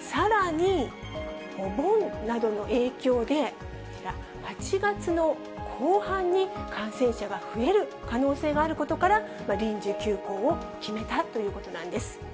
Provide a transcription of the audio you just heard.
さらに、お盆などの影響で、こちら、８月の後半に感染者が増える可能性があることから、臨時休校を決めたということなんです。